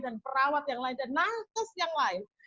dan perawat yang lain dan nantes yang lain